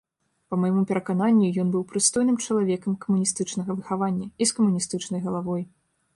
Па майму перакананню, ён быў прыстойным чалавекам камуністычнага выхавання і з камуністычнай галавой.